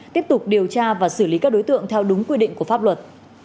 tiếp tục điều tra và xử lý các đối tượng theo đúng quy định của pháp luật